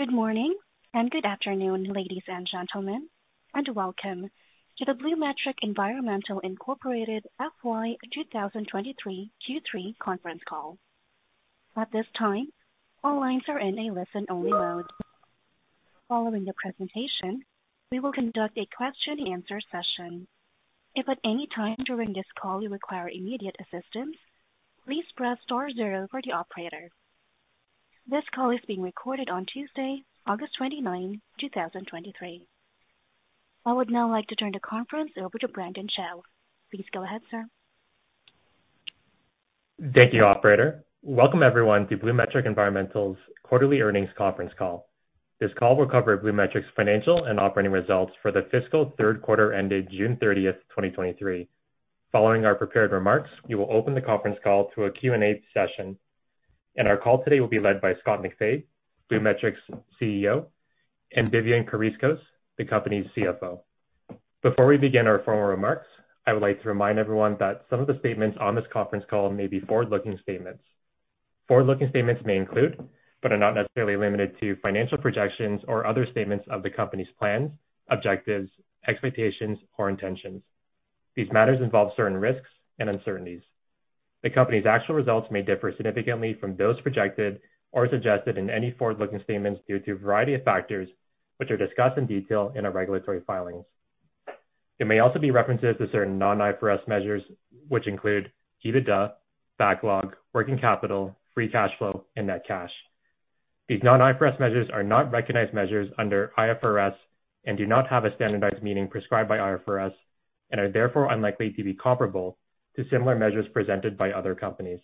Good morning and good afternoon, ladies and gentlemen, and welcome to the BluMetric Environmental Incorporated FY 2023 Q3 conference call. At this time, all lines are in a listen-only mode. Following the presentation, we will conduct a question and answer session. If at any time during this call you require immediate assistance, please press star zero for the operator. This call is being recorded on Tuesday, August 29, 2023. I would now like to turn the conference over to Brandon Chow. Please go ahead, sir. Thank you, operator. Welcome everyone to BluMetric Environmental's quarterly earnings conference call. This call will cover BluMetric's financial and operating results for the fiscal third quarter ended June 30th, 2023. Following our prepared remarks, we will open the conference call to a Q&A session, and our call today will be led by Scott MacFabe, BluMetric's CEO, and Vivian Karaiskos, the company's CFO. Before we begin our formal remarks, I would like to remind everyone that some of the statements on this conference call may be forward-looking statements. Forward-looking statements may include, but are not necessarily limited to, financial projections or other statements of the company's plans, objectives, expectations, or intentions. These matters involve certain risks and uncertainties. The company's actual results may differ significantly from those projected or suggested in any forward-looking statements due to a variety of factors, which are discussed in detail in our regulatory filings. There may also be references to certain non-IFRS measures, which include EBITDA, backlog, working capital, free cash flow, and net cash. These non-IFRS measures are not recognized measures under IFRS and do not have a standardized meaning prescribed by IFRS and are therefore unlikely to be comparable to similar measures presented by other companies.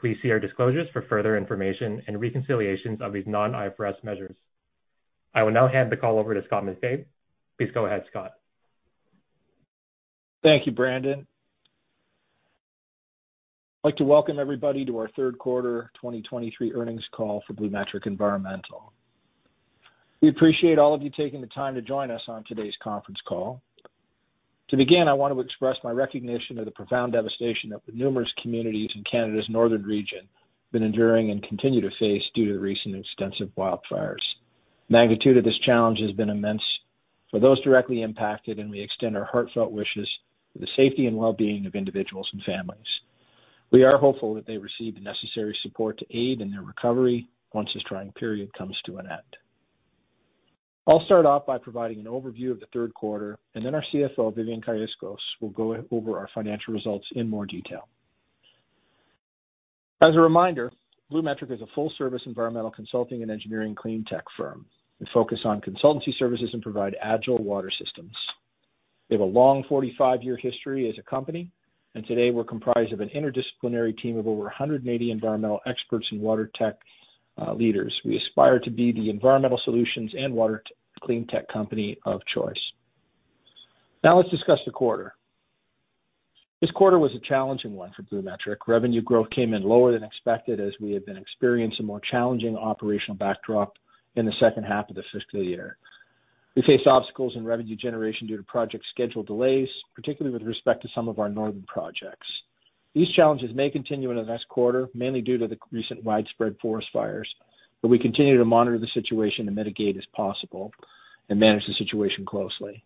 Please see our disclosures for further information and reconciliations of these non-IFRS measures. I will now hand the call over to Scott MacFabe. Please go ahead, Scott. Thank you, Brandon. I'd like to welcome everybody to our third quarter 2023 earnings call for BluMetric Environmental. We appreciate all of you taking the time to join us on today's conference call. To begin, I want to express my recognition of the profound devastation that the numerous communities in Canada's northern region have been enduring and continue to face due to the recent extensive wildfires. Magnitude of this challenge has been immense for those directly impacted, and we extend our heartfelt wishes for the safety and well-being of individuals and families. We are hopeful that they receive the necessary support to aid in their recovery once this trying period comes to an end. I'll start off by providing an overview of the third quarter, and then our CFO, Vivian Karaiskos, will go over our financial results in more detail. As a reminder, BluMetric is a full-service environmental consulting and engineering clean tech firm. We focus on consultancy services and provide agile water systems. We have a long 45-year history as a company, and today we're comprised of an interdisciplinary team of over 180 environmental experts and water tech leaders. We aspire to be the environmental solutions and water clean tech company of choice. Now, let's discuss the quarter. This quarter was a challenging one for BluMetric. Revenue growth came in lower than expected as we have been experiencing a more challenging operational backdrop in the second half of the fiscal year. We faced obstacles in revenue generation due to project schedule delays, particularly with respect to some of our northern projects. These challenges may continue into the next quarter, mainly due to the recent widespread forest fires, but we continue to monitor the situation and mitigate as possible and manage the situation closely.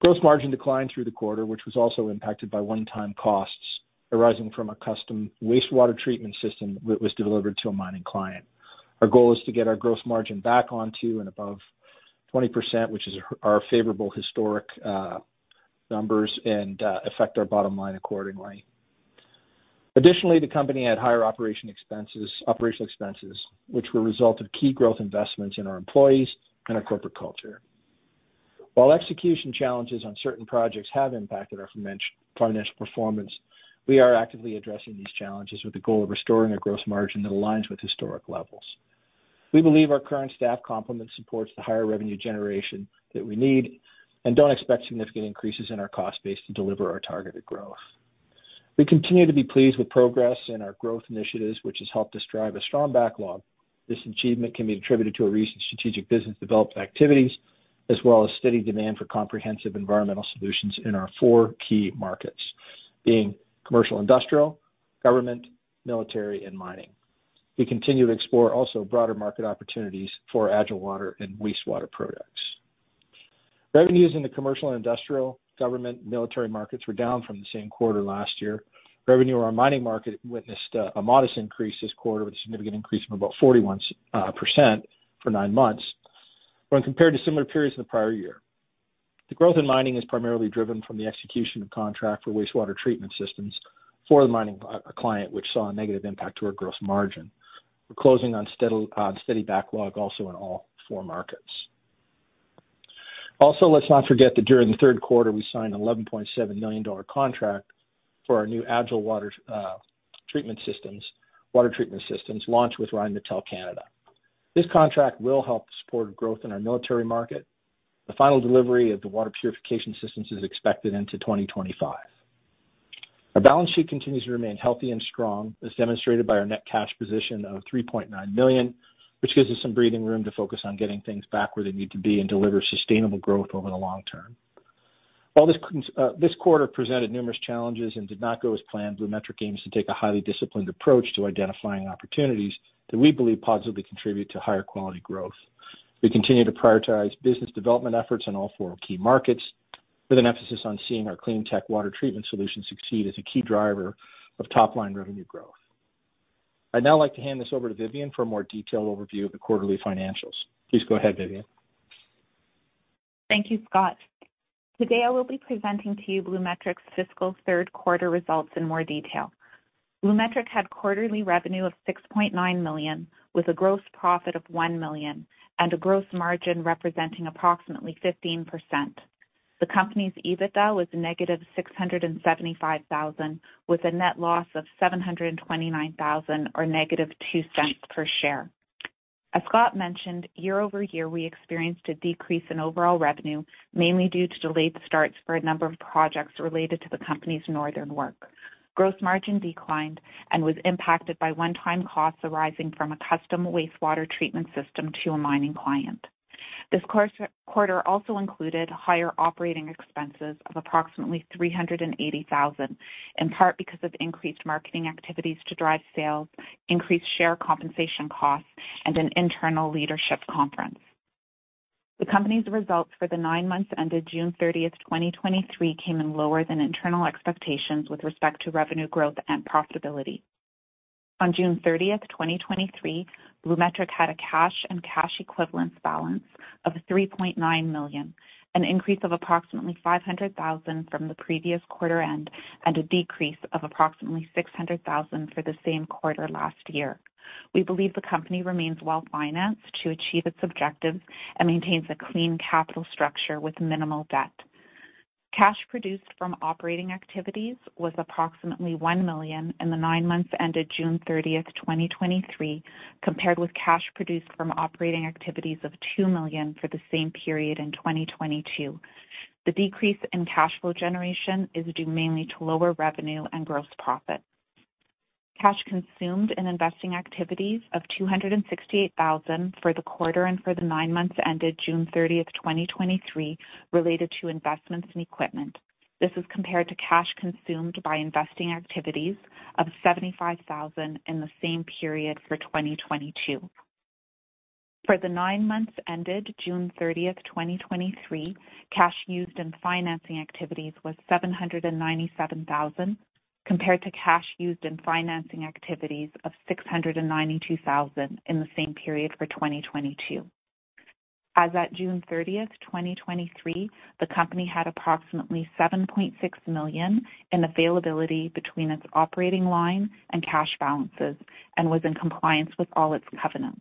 Gross margin declined through the quarter, which was also impacted by one-time costs arising from a custom wastewater treatment system that was delivered to a mining client. Our goal is to get our gross margin back onto and above 20%, which is our favorable historic numbers, and affect our bottom line accordingly. Additionally, the company had higher operation expenses, operational expenses, which were a result of key growth investments in our employees and our corporate culture. While execution challenges on certain projects have impacted our financial, financial performance, we are actively addressing these challenges with the goal of restoring a gross margin that aligns with historic levels. We believe our current staff complement supports the higher revenue generation that we need and don't expect significant increases in our cost base to deliver our targeted growth. We continue to be pleased with progress in our growth initiatives, which has helped us drive a strong backlog. This achievement can be attributed to our recent strategic business development activities, as well as steady demand for comprehensive environmental solutions in our four key markets, being commercial, industrial, government, military, and mining. We continue to explore also broader market opportunities for agile water and wastewater products. Revenues in the commercial and industrial, government, military markets were down from the same quarter last year. Revenue in our mining market witnessed a modest increase this quarter, with a significant increase of about 41% for nine months when compared to similar periods in the prior year. The growth in mining is primarily driven from the execution of contract for wastewater treatment systems for the mining client, which saw a negative impact to our gross margin. We're closing on steady, steady backlog also in all four markets. Also, let's not forget that during the third quarter, we signed an 11.7 million dollar contract for our new agile water, treatment systems, water treatment systems launched with Rheinmetall Canada. This contract will help support growth in our military market. The final delivery of the water purification systems is expected into 2025. Our balance sheet continues to remain healthy and strong, as demonstrated by our net cash position of 3.9 million, which gives us some breathing room to focus on getting things back where they need to be and deliver sustainable growth over the long term. This quarter presented numerous challenges and did not go as planned. BluMetric aims to take a highly disciplined approach to identifying opportunities that we believe positively contribute to higher quality growth. We continue to prioritize business development efforts in all four key markets, with an emphasis on seeing our clean tech water treatment solution succeed as a key driver of top-line revenue growth. I'd now like to hand this over to Vivian for a more detailed overview of the quarterly financials. Please go ahead, Vivian. Thank you, Scott. Today I will be presenting to you BluMetric's fiscal third quarter results in more detail. BluMetric had quarterly revenue of 6.9 million, with a gross profit of 1 million and a gross margin representing approximately 15%. The company's EBITDA was negative 675,000, with a net loss of 729,000, or negative 0.02 per share. As Scott mentioned, year-over-year, we experienced a decrease in overall revenue, mainly due to delayed starts for a number of projects related to the company's northern work. Gross margin declined and was impacted by one-time costs arising from a custom wastewater treatment system to a mining client. This quarter also included higher operating expenses of approximately 380,000, in part because of increased marketing activities to drive sales, increased share compensation costs, and an internal leadership conference. The company's results for the nine months ended June 30th, 2023, came in lower than internal expectations with respect to revenue growth and profitability. On June 30th, 2023, BluMetric had a cash and cash equivalents balance of 3.9 million, an increase of approximately 500,000 from the previous quarter end, and a decrease of approximately 600,000 for the same quarter last year. We believe the company remains well-financed to achieve its objectives and maintains a clean capital structure with minimal debt. Cash produced from operating activities was approximately 1 million in the nine months ended June 30th, 2023, compared with cash produced from operating activities of 2 million for the same period in 2022. The decrease in cash flow generation is due mainly to lower revenue and gross profit. Cash consumed in investing activities of 268,000 for the quarter and for the nine months ended June 30th, 2023, related to investments in equipment. This is compared to cash consumed by investing activities of 75,000 in the same period for 2022. For the nine months ended June 30th, 2023, cash used in financing activities was 797,000, compared to cash used in financing activities of 692,000 in the same period for 2022. As at June 30th, 2023, the company had approximately 7.6 million in availability between its operating line and cash balances and was in compliance with all its covenants.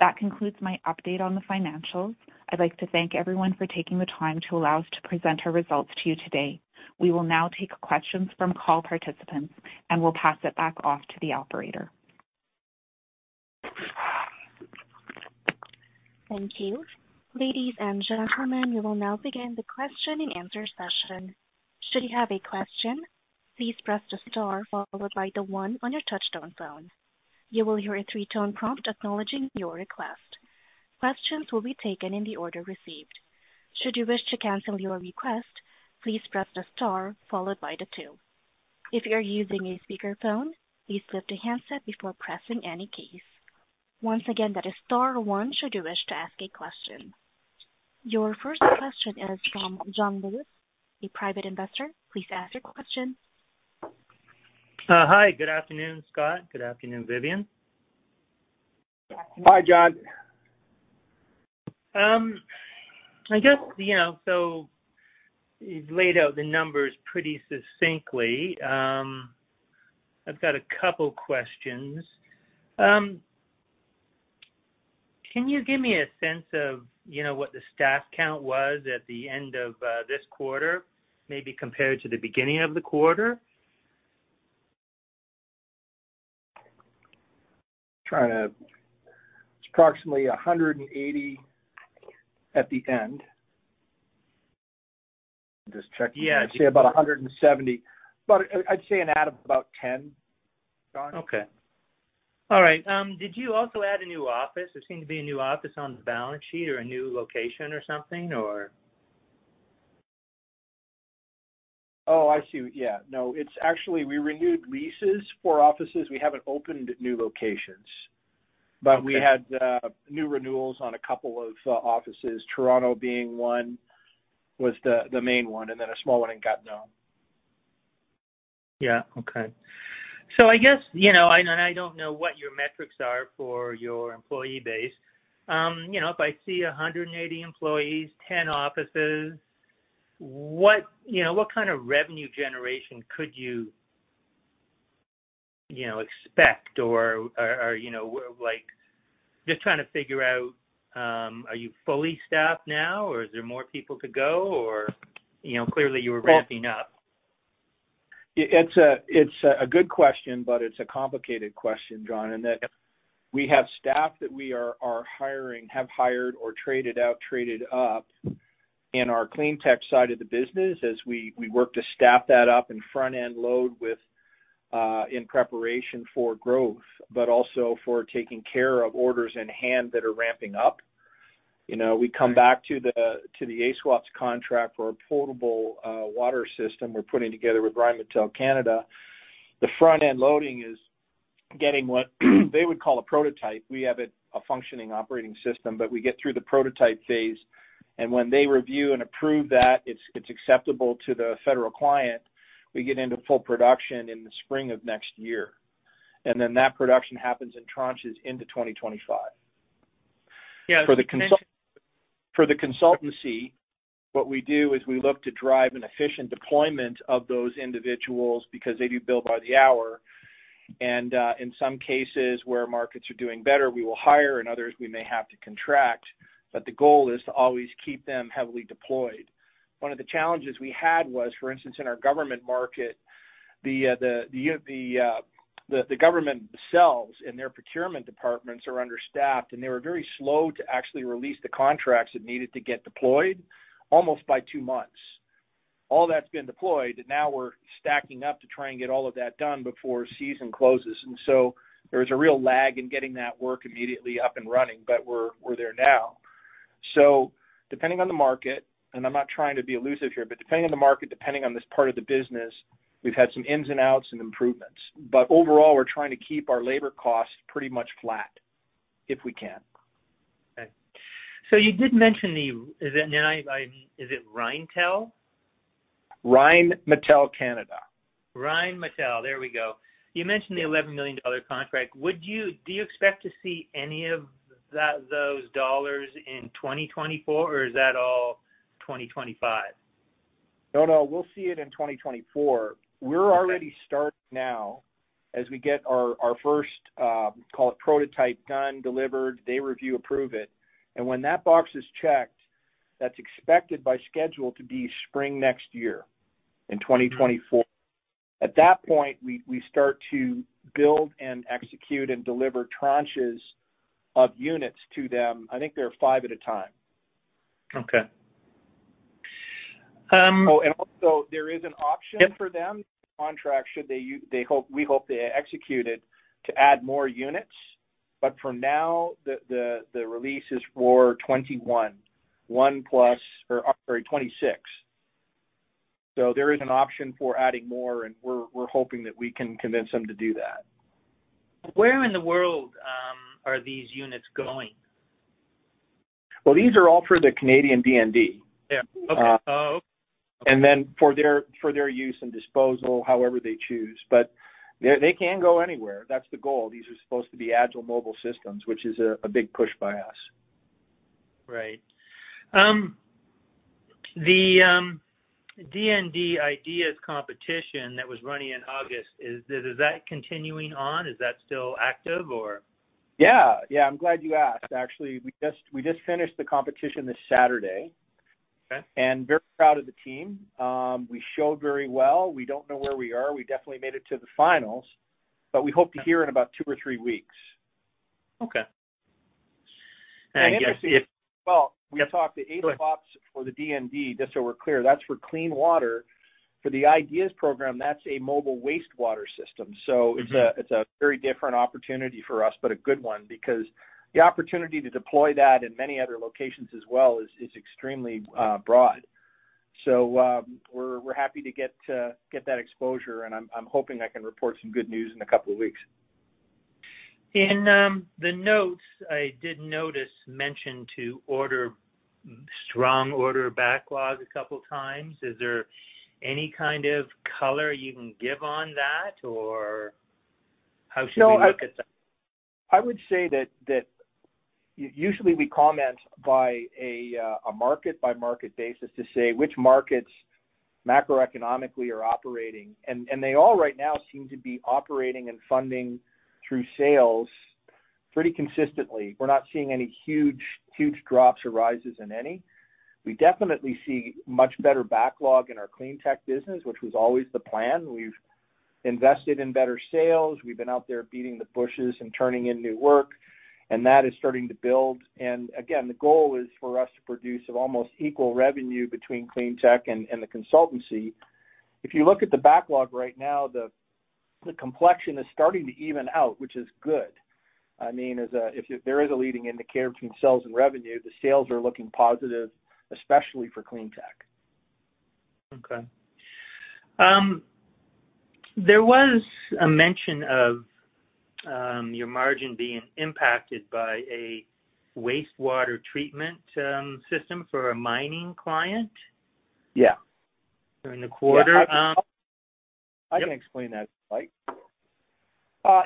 That concludes my update on the financials. I'd like to thank everyone for taking the time to allow us to present our results to you today. We will now take questions from call participants, and we'll pass it back off to the operator. Thank you. Ladies and gentlemen, we will now begin the question and answer session. Should you have a question, please press the star followed by the one on your touchtone phone. You will hear a three-tone prompt acknowledging your request. Questions will be taken in the order received. Should you wish to cancel your request, please press the star followed by the two. If you're using a speakerphone, please lift the handset before pressing any keys. Once again, that is star one should you wish to ask a question. Your first question is from John Lewis, a private investor. Please ask your question. Hi, good afternoon, Scott. Good afternoon, Vivian. Hi, John. I guess, you know, so you've laid out the numbers pretty succinctly. I've got a couple questions. Can you give me a sense of, you know, what the staff count was at the end of this quarter, maybe compared to the beginning of the quarter? Trying to... It's approximately 180 at the end. Just checking. Yeah. I'd say about 170, but I'd say an add of about 10, John. Okay. All right. Did you also add a new office? There seemed to be a new office on the balance sheet or a new location or something, or? Oh, I see. Yeah. No, it's actually, we renewed leases for offices. We haven't opened new locations. Okay. But we had new renewals on a couple of offices. Toronto being one, was the main one, and then a small one in Gatineau. Yeah. Okay. So I guess, you know, and I don't know what your metrics are for your employee base. You know, if I see 180 employees, 10 offices, what, you know, what kind of revenue generation could you, you know, expect or, or, or, you know, like, just trying to figure out, are you fully staffed now, or is there more people to go, or, you know, clearly you were ramping up? It's a, it's a good question, but it's a complicated question, John, in that we have staff that we are hiring, have hired or traded out, traded up in our clean tech side of the business as we work to staff that up and front-end load in preparation for growth, but also for taking care of orders in hand that are ramping up. You know, we come back to the AWS contract for a portable water system we're putting together with Rheinmetall Canada. The front-end loading is getting what they would call a prototype. We have it a functioning operating system, but we get through the prototype phase, and when they review and approve that it's acceptable to the federal client, we get into full production in the spring of next year, and then that production happens in tranches into 2025. For the consultancy, what we do is we look to drive an efficient deployment of those individuals because they do bill by the hour. And, in some cases where markets are doing better, we will hire, and others we may have to contract, but the goal is to always keep them heavily deployed. One of the challenges we had was, for instance, in our government market, the government themselves and their procurement departments are understaffed, and they were very slow to actually release the contracts that needed to get deployed, almost by two months. All that's been deployed, and now we're stacking up to try and get all of that done before season closes. And so there was a real lag in getting that work immediately up and running, but we're there now. So depending on the market, and I'm not trying to be elusive here, but depending on the market, depending on this part of the business, we've had some ins and outs and improvements. But overall, we're trying to keep our labor costs pretty much flat, if we can. Okay. So you did mention the... Is it, now, is it Rheinmetall? Rheinmetall Canada. Rheinmetall. There we go. You mentioned the 11 million dollar contract. Do you expect to see any of that, those dollars in 2024, or is that all 2025? No, no, we'll see it in 2024. We're already starting now as we get our first prototype done, delivered. They review, approve it, and when that box is checked, that's expected by schedule to be spring next year, in 2024. At that point, we start to build and execute and deliver tranches of units to them. I think they're 5 at a time. Okay. Um- Oh, and also there is an option for them, contract, should they, we hope they execute it to add more units, but for now, the release is for 21, 1 plus or, sorry, 26. So there is an option for adding more, and we're hoping that we can convince them to do that. Where in the world are these units going? Well, these are all for the Canadian DND. Yeah. Okay. Oh. Then for their use and disposal, however they choose. But they can go anywhere. That's the goal. These are supposed to be agile mobile systems, which is a big push by us. Right. The DND IDEaS competition that was running in August, is that continuing on? Is that still active or? Yeah. Yeah, I'm glad you asked. Actually, we just, we just finished the competition this Saturday. Okay. Very proud of the team. We showed very well. We don't know where we are. We definitely made it to the finals, but we hope to hear in about two or three weeks. Okay. Thank you. Well, we talked to AWS for the DND, just so we're clear, that's for clean water. For the IDEaS program, that's a mobile wastewater system. Mm-hmm. So it's a very different opportunity for us, but a good one because the opportunity to deploy that in many other locations as well is extremely broad. So, we're happy to get that exposure, and I'm hoping I can report some good news in a couple of weeks. In the notes, I did notice mention of our strong order backlog a couple of times. Is there any kind of color you can give on that, or how should we look at that? I would say that usually we comment by a market-by-market basis to say which markets macroeconomically are operating, and they all right now seem to be operating and funding through sales pretty consistently. We're not seeing any huge drops or rises in any. We definitely see much better backlog in our clean tech business, which was always the plan. We've invested in better sales. We've been out there beating the bushes and turning in new work, and that is starting to build. And again, the goal is for us to produce an almost equal revenue between clean tech and the consultancy. If you look at the backlog right now, the complexion is starting to even out, which is good. I mean, as if there is a leading indicator between sales and revenue, the sales are looking positive, especially for clean tech. Okay. There was a mention of, your margin being impacted by a wastewater treatment, system for a mining client. Yeah. During the quarter. I can explain that, Mike.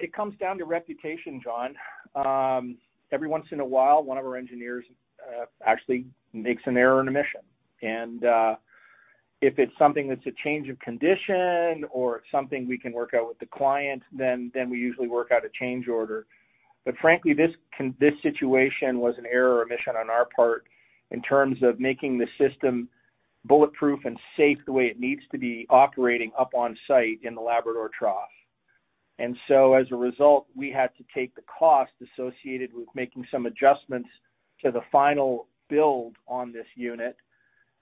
It comes down to reputation, John. Every once in a while, one of our engineers actually makes an error in omission. And if it's something that's a change of condition or it's something we can work out with the client, then we usually work out a change order. But frankly, this situation was an error or omission on our part in terms of making the system bulletproof and safe, the way it needs to be operating up on site in the Labrador Trough. And so as a result, we had to take the cost associated with making some adjustments to the final build on this unit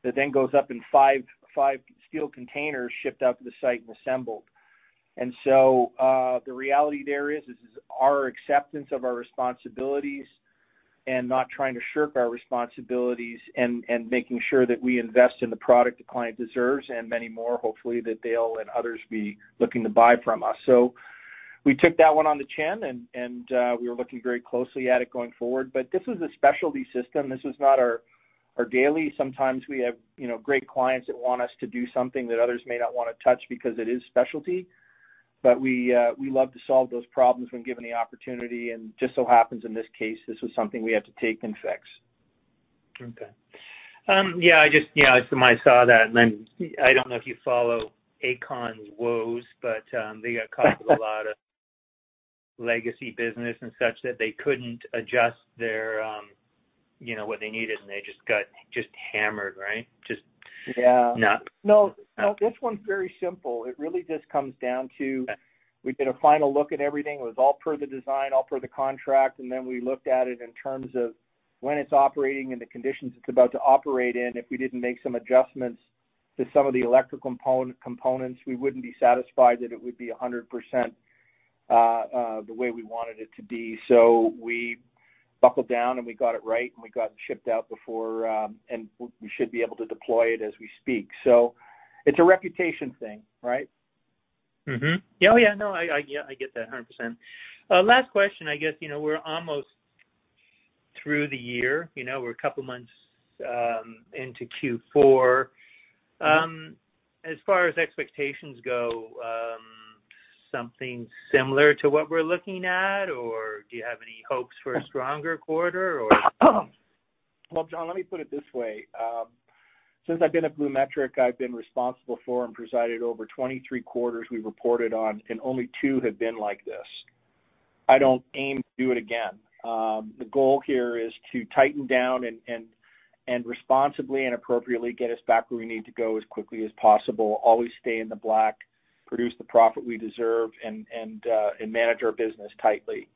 that then goes up in five steel containers, shipped out to the site and assembled. And so, the reality there is, this is our acceptance of our responsibilities and not trying to shirk our responsibilities, and, and, we were looking very closely at it going forward. But this is a specialty system. This is not our, our daily. Sometimes we have, you know, great clients that want us to do something that others may not want to touch because it is specialty, but we, we love to solve those problems when given the opportunity, and just so happens, in this case, this was something we had to take and fix. Okay. Yeah, I just, you know, I saw that, and then I don't know if you follow Aecon's woes, but, they got caught with a lot of legacy business and such, that they couldn't adjust their, you know, what they needed, and they just got just hammered, right? Just- Yeah. Not. No, this one's very simple. It really just comes down to- Okay. We did a final look at everything. It was all per the design, all per the contract, and then we looked at it in terms of when it's operating and the conditions it's about to operate in. If we didn't make some adjustments to some of the electrical component, components, we wouldn't be satisfied that it would be 100% the way we wanted it to be. So we buckled down, and we got it right, and we got it shipped out before, and we should be able to deploy it as we speak. So it's a reputation thing, right? Mm-hmm. Oh, yeah. No, yeah, I get that 100%. Last question, I guess, you know, we're almost through the year. You know, we're a couple of months into Q4. As far as expectations go, something similar to what we're looking at, or do you have any hopes for a stronger quarter, or? Well, John, let me put it this way. Since I've been at BluMetric, I've been responsible for and presided over 23 quarters we reported on, and only two have been like this. I don't aim to do it again. The goal here is to tighten down and responsibly and appropriately get us back where we need to go as quickly as possible. Always stay in the black, produce the profit we deserve, and manage our business tightly.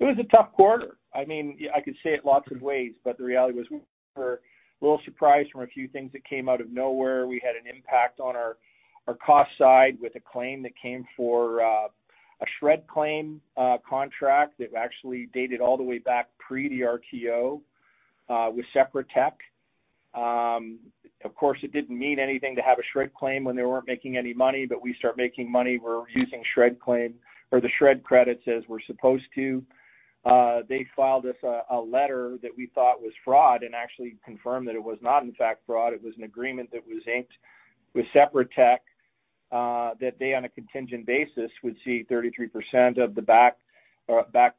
It was a tough quarter. I mean, I could say it lots of ways, but the reality was, we were a little surprised from a few things that came out of nowhere. We had an impact on our cost side with a claim that came for a SR&ED claim contract that actually dated all the way back pre the RTO with Seprotech. Of course, it didn't mean anything to have a SR&ED claim when they weren't making any money, but we start making money, we're using SR&ED claim or the SR&ED credits, as we're supposed to. They filed us a letter that we thought was fraud and actually confirmed that it was not, in fact, fraud. It was an agreement that was inked with Seprotech that they, on a contingent basis, would see 33% of the back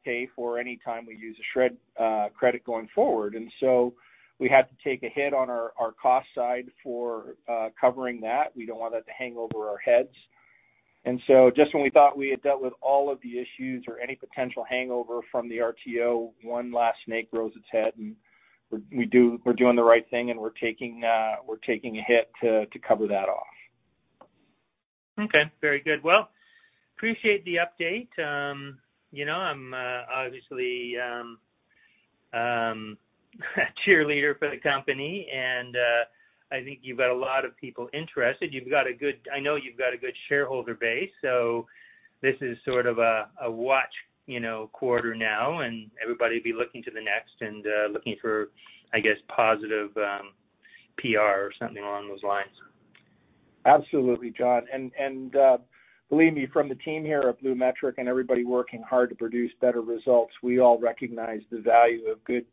pay for any time we use a SR&ED credit going forward. And so we had to take a hit on our cost side for covering that. We don't want that to hang over our heads. And so just when we thought we had dealt with all of the issues or any potential hangover from the RTO, one last snake grows its head, and we're doing the right thing, and we're taking a hit to cover that off. Okay, very good. Well, appreciate the update. You know, I'm obviously a cheerleader for the company, and I think you've got a lot of people interested. You've got a good—I know you've got a good shareholder base, so this is sort of a watch, you know, quarter now, and everybody be looking to the next and looking for, I guess, positive PR or something along those lines. Absolutely, John. And, and, believe me, from the team here at BluMetric and everybody working hard to produce better results, we all recognize the value of good,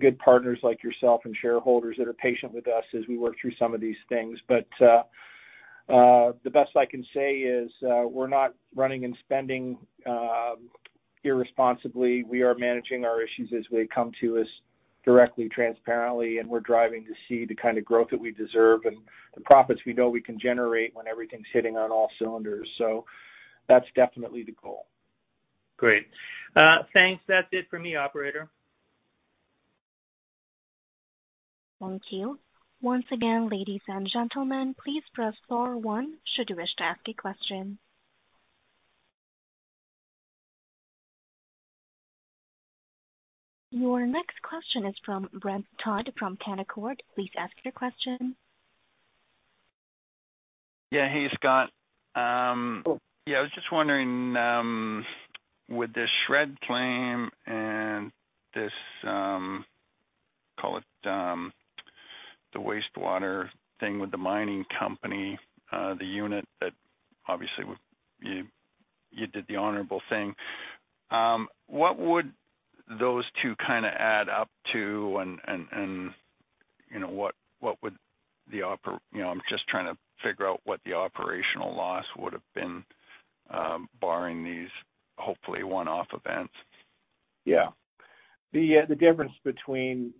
good partners like yourself and shareholders that are patient with us as we work through some of these things. But the best I can say is, we're not running and spending irresponsibly. We are managing our issues as they come to us directly, transparently, and we're driving to see the kind of growth that we deserve and the profits we know we can generate when everything's hitting on all cylinders. So that's definitely the goal. Great. Thanks. That's it for me, operator. Thank you. Once again, ladies and gentlemen, please press star one, should you wish to ask a question. Your next question is from Brent Todd, from Canaccord. Please ask your question. Yeah. Hey, Scott. Yeah, I was just wondering, with this SR&ED claim and this, call it, the wastewater thing with the mining company, the unit that obviously you did the honorable thing. What would those two kind of add up to and, you know, what would the oper... You know, I'm just trying to figure out what the operational loss would have been, barring these hopefully one-off events. Yeah. The difference between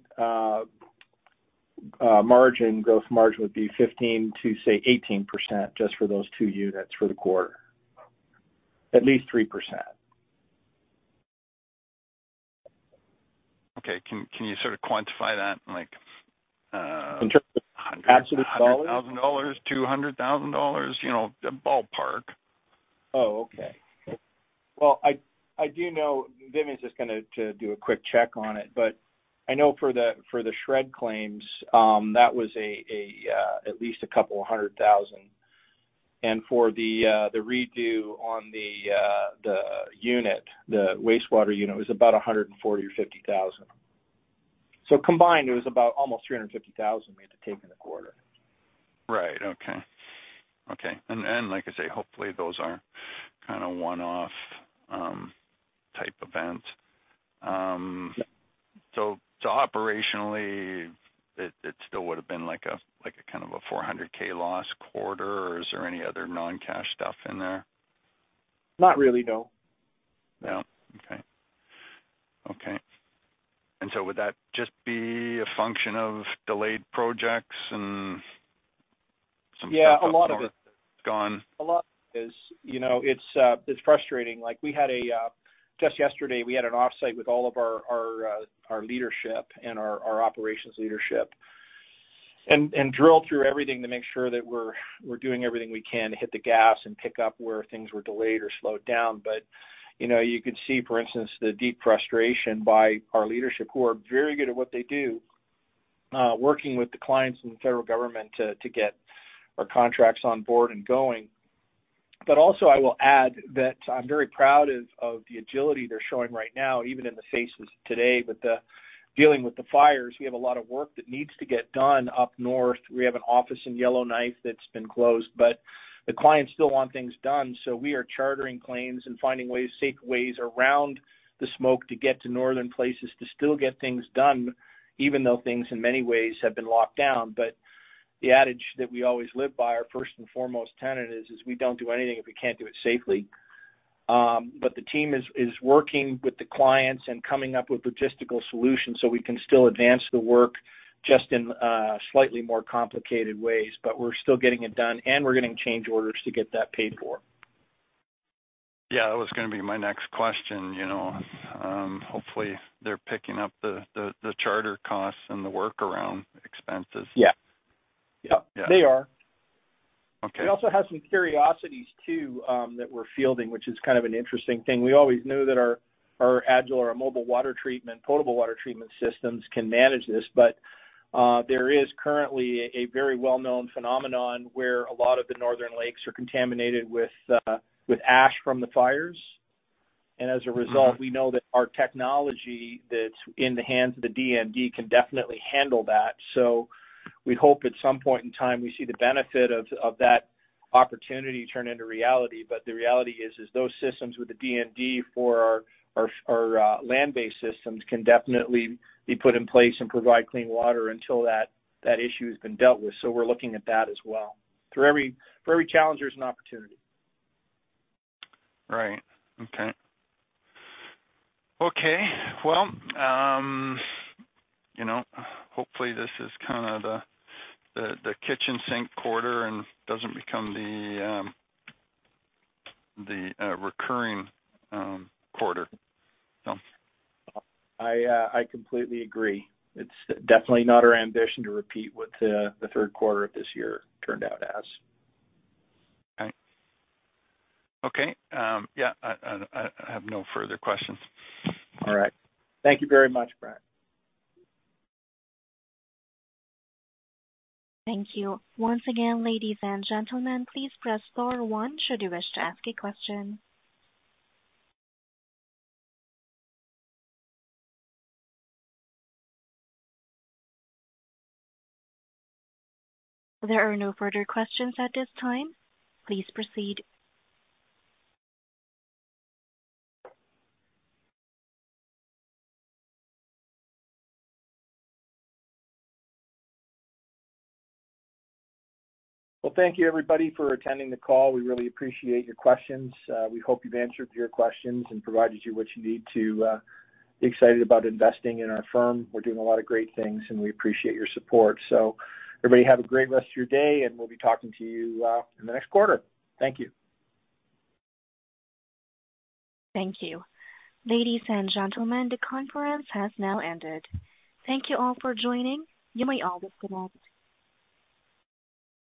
margin, gross margin would be 15% to, say, 18%, just for those two units for the quarter. At least 3%. Okay. Can you sort of quantify that, like? In terms of absolute dollars? 100,000 dollars, 200,000 dollars, you know, a ballpark?... Oh, okay. Well, I do know Vivian's just gonna do a quick check on it, but I know for the SR&ED claims, that was at least a couple of hundred thousand. And for the redo on the unit, the wastewater unit, it was about a hundred and forty or fifty thousand. So combined, it was about almost three hundred and fifty thousand we had to take in the quarter. Right. Okay. Okay. And like I say, hopefully, those are kind of one-off type events. So operationally, it still would have been like a kind of a 400,000 loss quarter, or is there any other non-cash stuff in there? Not really, no. No. Okay. Okay. And so would that just be a function of delayed projects and some- Yeah, a lot of it- Gone. A lot is... You know, it's frustrating. Like, we had just yesterday an off-site with all of our leadership and our operations leadership, and drilled through everything to make sure that we're doing everything we can to hit the gas and pick up where things were delayed or slowed down. But, you know, you could see, for instance, the deep frustration by our leadership, who are very good at what they do, working with the clients and the federal government to get our contracts on board and going. But also, I will add that I'm very proud of the agility they're showing right now, even in the faces today. But the dealing with the fires, we have a lot of work that needs to get done up north. We have an office in Yellowknife that's been closed, but the clients still want things done, so we are chartering claims and finding ways, safe ways around the smoke to get to northern places to still get things done, even though things in many ways have been locked down. But the adage that we always live by, our first and foremost tenant is we don't do anything if we can't do it safely. But the team is working with the clients and coming up with logistical solutions, so we can still advance the work just in slightly more complicated ways, but we're still getting it done, and we're getting change orders to get that paid for. Yeah, that was gonna be my next question, you know. Hopefully, they're picking up the charter costs and the workaround expenses. Yeah. Yep. Yeah. They are. Okay. We also have some curiosities, too, that we're fielding, which is kind of an interesting thing. We always know that our agile, mobile water treatment, potable water treatment systems can manage this, but there is currently a very well-known phenomenon where a lot of the northern lakes are contaminated with ash from the fires. Mm-hmm. As a result, we know that our technology that's in the hands of the DND can definitely handle that. So we hope at some point in time we see the benefit of that opportunity turn into reality. But the reality is, those systems with the DND for our land-based systems can definitely be put in place and provide clean water until that issue has been dealt with. So we're looking at that as well. For every challenge, there's an opportunity. Right. Okay. Okay, well, you know, hopefully, this is kind of the kitchen sink quarter and doesn't become the recurring quarter. So- I completely agree. It's definitely not our ambition to repeat what the third quarter of this year turned out as. Okay. Okay, yeah, I have no further questions. All right. Thank you very much, Brent. Thank you. Once again, ladies and gentlemen, please press star one, should you wish to ask a question. There are no further questions at this time. Please proceed. Well, thank you, everybody, for attending the call. We really appreciate your questions. We hope we've answered your questions and provided you what you need to be excited about investing in our firm. We're doing a lot of great things, and we appreciate your support. So everybody have a great rest of your day, and we'll be talking to you in the next quarter. Thank you. Thank you. Ladies and gentlemen, the conference has now ended. Thank you all for joining. You may all disconnect.